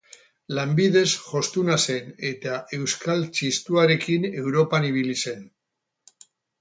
Lanbidez jostuna zen eta Euskal Txistuarekin Europan ibili zen.